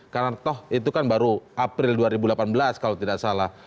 karena toh itu kan baru april dua ribu delapan belas kalau tidak salah